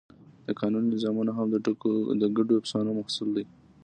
د قانون نظامونه هم د ګډو افسانو محصول دي.